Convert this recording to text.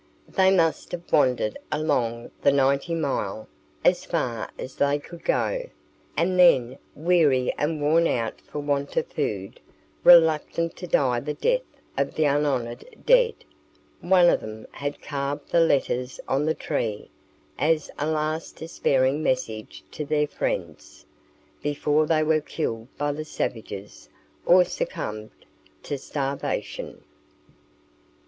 They must have wandered along the ninety mile as far as they could go, and then, weary and worn out for want of food, reluctant to die the death of the unhonoured dead, one of them had carved the letters on the tree, as a last despairing message to their friends, before they were killed by the savages, or succumbed to starvation.